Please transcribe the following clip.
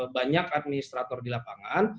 banyak administrator di lapangan